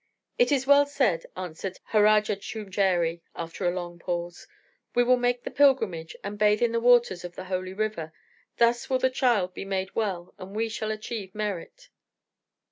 "It is well said," answered Harajar Chumjeree, after a long pause. "We will make the pilgrimage and bathe in the waters of the holy river; thus will the child be made well and we shall achieve merit."